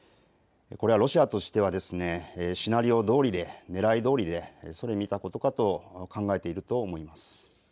これはロシアとしてはシナリオどおりで、ねらいどおりでそれ見たことかと考えているかと思います。